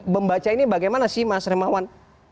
membaca ini bagaimana sih mas hermawan